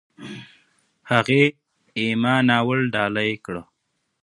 هغې "اِما" ناول ډالۍ کړ.